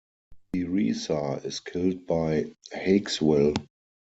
Teresa is killed by Hakeswill.